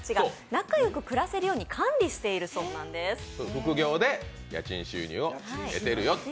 副業で家賃収入を得ているよと。